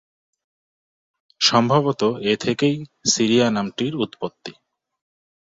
সম্ভবত এ থেকেই "সিরিয়া" নামটির উৎপত্তি।